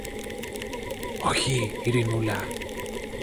Όχι, Ειρηνούλα.